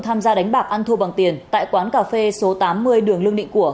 tham gia đánh bạc ăn thua bằng tiền tại quán cà phê số tám mươi đường lương định của